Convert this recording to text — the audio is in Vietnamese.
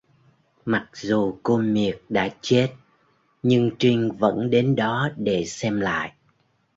Mặc dù cô Miệt đã chết nhưng Trinh vẫn đến đó để xem lại